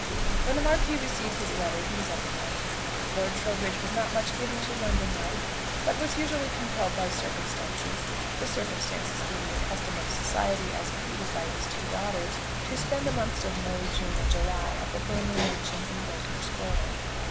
When the Marquis received his letter he was up in London. Lord Trowbridge was not much given to London life, but was usually compelled by circumstances, the circumstances being the custom of society as pleaded by his two daughters, to spend the months of May, June, and July at the family mansion in Grosvenor Square.